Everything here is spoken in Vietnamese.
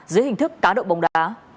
dưới hình thức cá độ bồng đá